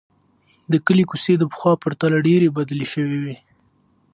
د کلي کوڅې د پخوا په پرتله ډېرې بدلې شوې دي.